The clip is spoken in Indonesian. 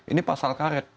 ini pasal karet